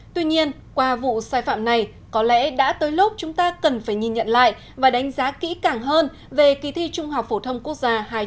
tuy nhiên qua vụ sai phạm này có lẽ đã tới lúc chúng ta cần phải nhìn nhận lại và đánh giá kỹ càng hơn về kỳ thi trung học phổ thông